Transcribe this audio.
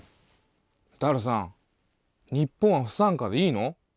ダルさん日本は不参加でいいの？